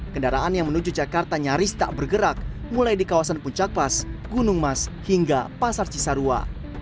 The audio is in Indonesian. kendaraan yang menuju jakarta nyaris tak bergerak mulai di kawasan puncak pas gunung mas hingga pasar cisarua